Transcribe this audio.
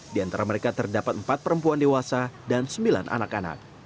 di antara mereka terdapat empat perempuan dewasa dan sembilan anak anak